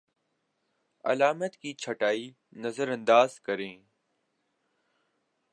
علامات کی چھٹائی نظرانداز کریں